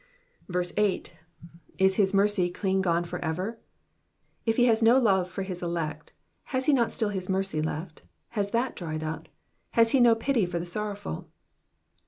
8. ^'' Is his mercy clean gone for everf^ If he has no love for his elect, has he not still his mercy left ? Has that dried up ? Has he no pity for the sor rowful?